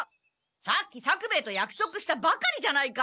さっき作兵衛とやくそくしたばかりじゃないか？